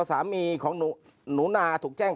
ครับครับครับ